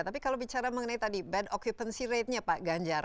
tapi kalau bicara mengenai tadi bad occupancy ratenya pak ganjar